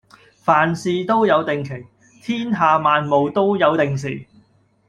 凡事都有定期，天下萬務都有定時